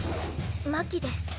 マキです。